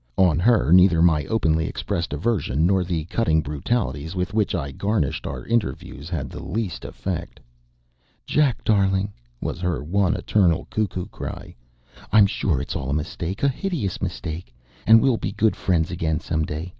On her neither my openly expressed aversion nor the cutting brutalities with which I garnished our interviews had the least effect. "Jack, darling!" was her one eternal cuckoo cry: "I'm sure it's all a mistake a hideous mistake; and we'll be good friends again some day.